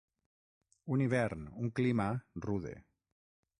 Un hivern, un clima, rude.